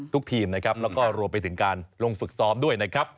ทีมนะครับแล้วก็รวมไปถึงการลงฝึกซ้อมด้วยนะครับ